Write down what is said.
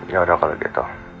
yaudah kalau gitu